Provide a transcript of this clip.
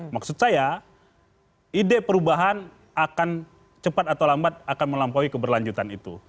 maksud saya ide perubahan akan cepat atau lambat akan melampaui keberlanjutan itu